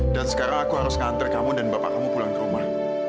dan sekarang aku harus nganter kamu dan bapak kamu pulang ke rumah